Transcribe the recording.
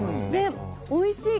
おいしい。